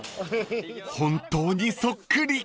［本当にそっくり］